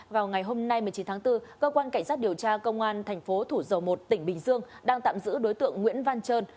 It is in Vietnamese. vào ngày hôm nay một mươi chín tháng bốn cơ quan cảnh sát điều tra công an thành phố thủ dầu một tỉnh bình dương đang tạm giữ đối tượng nguyễn văn trơn